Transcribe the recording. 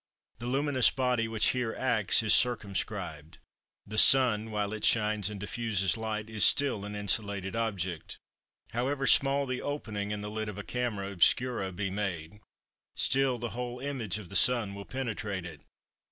The luminous body which here acts is circumscribed: the sun, while it shines and diffuses light, is still an insulated object. However small the opening in the lid of a camera obscura be made, still the whole image of the sun will penetrate it.